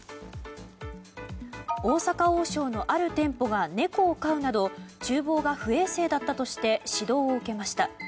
大阪王将のある店舗が猫を飼うなど厨房が不衛生だったとして指導を受けました。